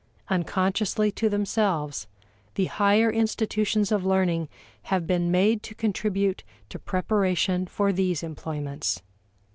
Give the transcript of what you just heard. Unconsciously to themselves the higher institutions of learning have been made to contribute to preparation for these employments.